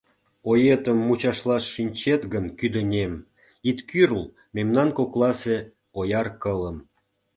Оетым мучашлаш шичнет гын кӱдынем, Ит кӱрл мемнан кокласе ояр кылым.